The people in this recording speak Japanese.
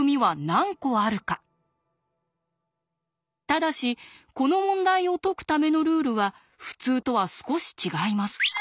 ただしこの問題を解くためのルールは普通とは少し違います。